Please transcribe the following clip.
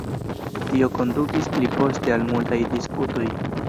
Tio kondukis pli poste al multaj diskutoj.